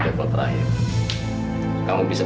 tapi aku aku gak bisa